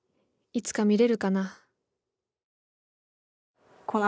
いつか見れるかな。